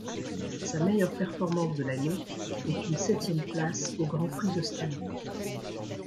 Sa meilleure performance de l'année est une septième place au Grand Prix d'Australie.